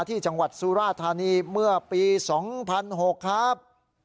ที่จังหวัดสุราธานีเมื่อปี๒๐๐๖ครับ